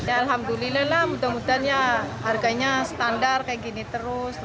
alhamdulillah lah mudah mudahan ya harganya standar kayak gini terus rp dua puluh delapan